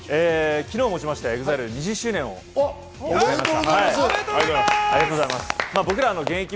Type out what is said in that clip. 昨日をもちましてＥＸＩＬＥ２０周年を迎えました。